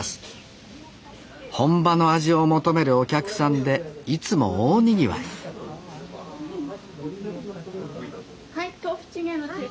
本場の味を求めるお客さんでいつも大にぎわいはい豆腐チゲの中辛の方。